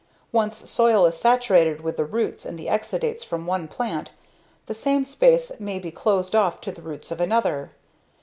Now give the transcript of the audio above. Once soil is saturated with the roots and the exudates from one plant, the same space may be closed off to the roots of another.